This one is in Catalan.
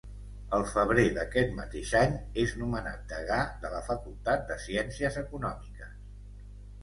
Al febrer d'aquest mateix any és nomenat Degà de la Facultat de Ciències Econòmiques.